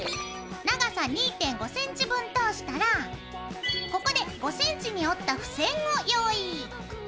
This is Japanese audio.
長さ２．５ｃｍ分通したらここで５ｃｍに折った付箋を用意！